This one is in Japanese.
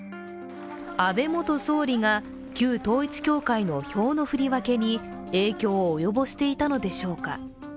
安倍元総理が旧統一教会の票の振り分けに影響を及ぼしていたのでしょうか。